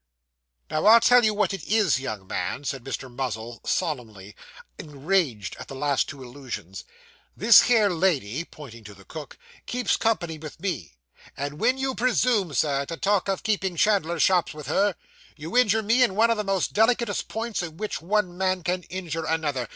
'Now, I'll tell you what it is, young man,' said Mr. Muzzle solemnly, enraged at the last two allusions, 'this here lady (pointing to the cook) keeps company with me; and when you presume, Sir, to talk of keeping chandlers' shops with her, you injure me in one of the most delicatest points in which one man can injure another.